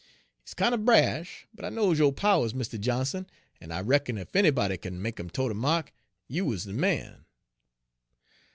He's kinder brash, but I knows yo' powers, Mistah Johnson, en I reckon ef anybody kin make 'im toe de ma'k, you is de man.'